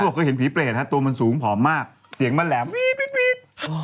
พวกเคยเห็นผีเปรตฮะตัวมันสูงผอมมากเสียงมันแหลมวี๊บวี๊บวี๊บ